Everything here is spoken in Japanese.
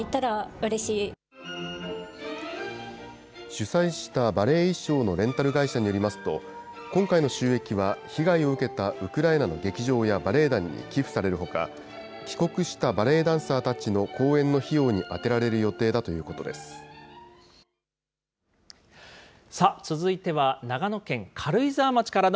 主催したバレエ衣装のレンタル会社によりますと、今回の収益は、被害を受けたウクライナの劇場やバレエ団に寄付されるほか、帰国したバレエダンサーたちの公演の費用に充てられる予定だといさあ、続いては、長野県軽井